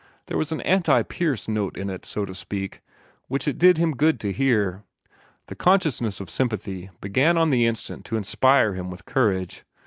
There was an anti Pierce note in it, so to speak, which it did him good to hear. The consciousness of sympathy began on the instant to inspire him with courage.